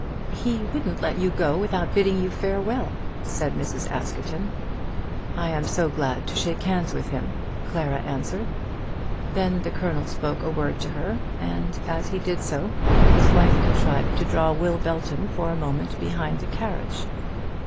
"He wouldn't let you go without bidding you farewell," said Mrs. Askerton. "I am so glad to shake hands with him," Clara answered. Then the Colonel spoke a word to her, and, as he did so, his wife contrived to draw Will Belton for a moment behind the carriage.